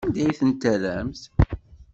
Anda ay ten-terramt?